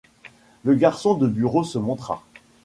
Le garçon de bureau se montra.